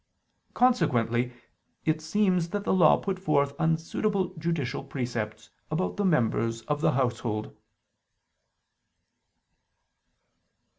Consequently it seems that the Law put forth unsuitable judicial precepts about the members of the household.